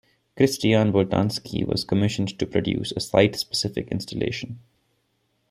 Christian Boltanski was commissioned to produce a site specific installation.